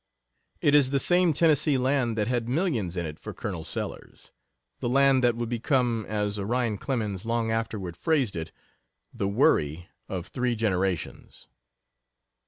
It is the same Tennessee land that had "millions in it" for Colonel Sellers the land that would become, as Orion Clemens long afterward phrased it, "the worry of three generations."